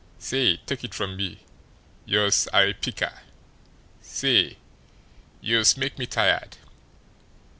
Say, take it from me, youse are a piker! Say, youse make me tired.